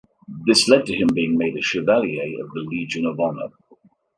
This led to him being made a Chevalier of the Legion of Honour.